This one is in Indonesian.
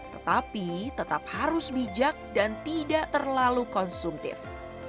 tetapi tetap harus bijak dan tidak terlalu konsumtif